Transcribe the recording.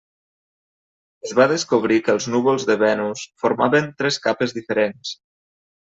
Es va descobrir que els núvols de Venus formaven tres capes diferents.